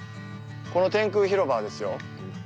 この天空広場はですよ